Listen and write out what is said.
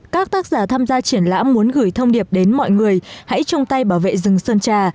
các tác giả tham gia triển lãm muốn gửi thông điệp đến mọi người hãy chung tay bảo vệ rừng sơn trà